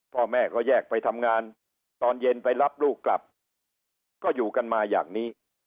พ่อแม่ก็แยกไปทำงานตอนเย็นไปรับลูกกลับก็อยู่กันมาอย่างนี้